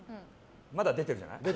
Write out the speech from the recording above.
まだ出てるじゃない。